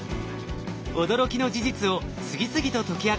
驚きの事実を次々と解き明かしています。